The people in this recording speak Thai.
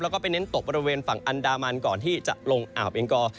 แล้วก็ไปเน้นตกบริเวณฝั่งอันดามันก่อนที่จะลงอ่าวเบงกอ